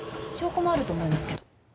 証拠もあると思いますけど。